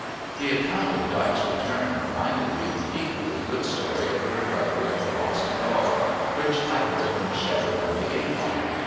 The account of Dyke's return reminded me of an equally good story of the recovery of a lost dog which I heard from a shepherd on the Avon.